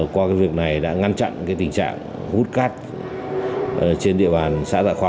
qua việc này đã ngăn chặn tình trạng hút cát trên địa bàn xã đại khoa